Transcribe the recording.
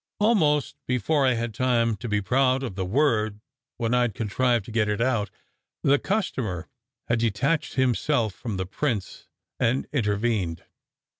Almost before I had time to be proud of the word when I d contrived to get it out, the customer had detached him self from the prints and intervened.